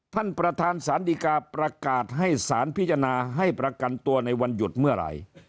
ท่านประธานสารดีกาประกาศให้สารพิจารณาให้ประกันตัวในวันหยุดเมื่อไหร่